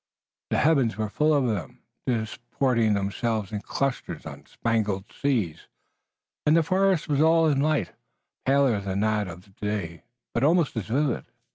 The heavens were full of them, disporting themselves in clusters on spangled seas, and the forest was all in light, paler than that of day, but almost as vivid.